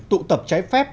tụ tập trái phép